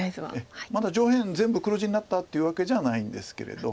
まだ上辺全部黒地になったというわけじゃないんですけれど。